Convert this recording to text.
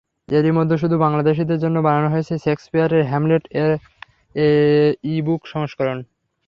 এরই মধ্যে শুধু বাংলাদেশিদের জন্য বানানো হয়েছে শেক্সপিয়ারের হ্যামলেট-এর ই-বুক সংস্করণ।